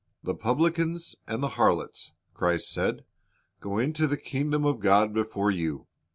"The pubhcans and the harlots," Christ said, "go into the kingdom of God before you."'